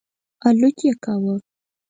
الوت یې کاوه.